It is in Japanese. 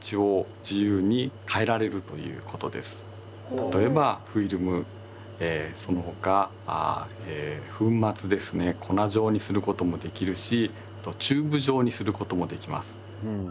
例えばフィルムそのほか粉末ですね粉状にすることもできるしあとチューブ状にすることもできます。